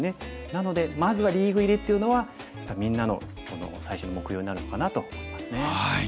なのでまずはリーグ入りっていうのはやっぱりみんなの最初の目標になるのかなと思いますね。